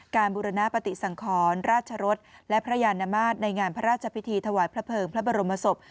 บุรณปฏิสังขรราชรสและพระยานมาตรในงานพระราชพิธีถวายพระเภิงพระบรมศพ